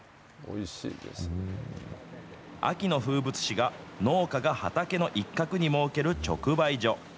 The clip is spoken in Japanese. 秋の風物詩が農家が畑の一角に設ける直売所。